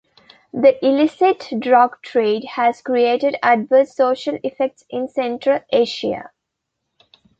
The illicit drug trade has created adverse social effects in Central Asia.